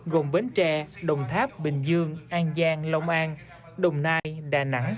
gồm bến tre đồng tháp bình dương an giang long an đồng nai đà nẵng